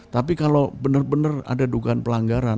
tapi kalau bener bener ada dugaan pelanggaran